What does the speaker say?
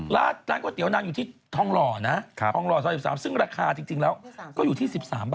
ร้านก๋วยเตี๋ยวนางอยู่ที่ทองหล่อนะซึ่งราคาจริงแล้วก็อยู่ที่๑๓บาท